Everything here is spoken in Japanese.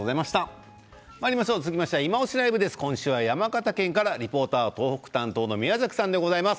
続きましては「いまオシ！ＬＩＶＥ」です今週は山形県からリポーターは東北担当の宮崎さんです。